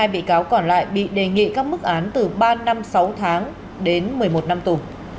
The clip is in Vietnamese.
hai mươi bị cáo còn lại bị đề nghị các mức án từ ba năm sáu tháng đến một mươi một năm tù